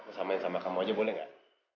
aku samain sama kamu aja boleh gak